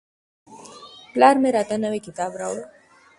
پلار مې راته نوی کتاب راوړ.